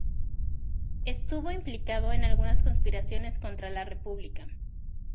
Estuvo implicado en algunas conspiraciones contra la República.